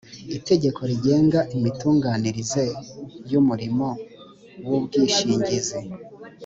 itegeko rigenga imitunganirize y’umurimo w’ubwishingizi